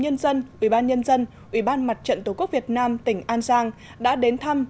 nhân dân ủy ban nhân dân ủy ban mặt trận tổ quốc việt nam tỉnh an giang đã đến thăm